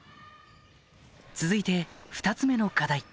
続いて２つ目の課題